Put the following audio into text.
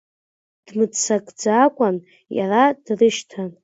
Дмыццакӡакәан иара дрышьҭан.